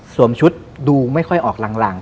ชุดดูไม่ค่อยออกหลัง